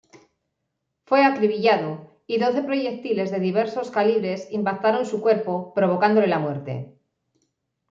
Fue acribillado y doce proyectiles de diversos calibres impactaron su cuerpo, provocándole la muerte.